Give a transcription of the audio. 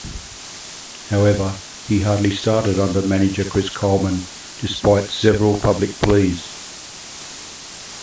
However, he hardly started under manager Chris Coleman, despite several public pleas.